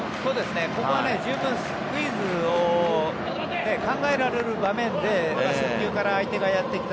ここは十分スクイズを考えられる場面で初球から相手がやってきた。